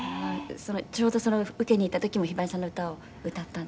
「ちょうど受けに行った時もひばりさんの歌を歌ったんですよね」